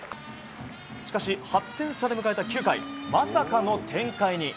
しかし８点差で迎えた９回まさかの展開に。